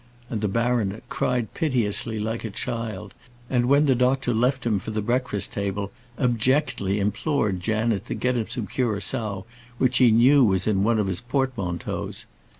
And the baronet cried piteously, like a child, and, when the doctor left him for the breakfast table, abjectly implored Janet to get him some curaçoa which he knew was in one of his portmanteaus.